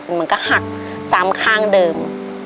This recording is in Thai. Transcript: มันก็หักสามข้างเดิม